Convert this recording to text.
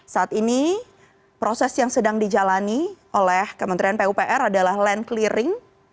saat ini proses yang sedang dijalani oleh kementerian pupr adalah land clearing